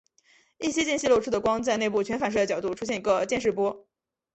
一些间隙漏出的光在内部全反射角度出现一个渐逝波。